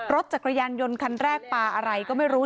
รถจักรยานยนต์คันแรกปลาอะไรก็ไม่รู้